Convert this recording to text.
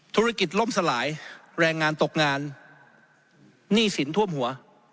ธุรกิจล่มสลายแรงงานตกงานหนี้สินท่วมหัว